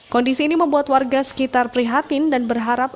kondisi ini membuat warga sekitar prihatin dan berharap